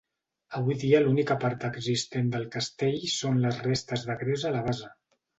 Avui dia l'única part existent del castell són les restes de gres a la base.